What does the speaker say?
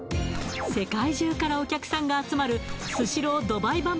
世界中からお客さんが集まるスシロードバイ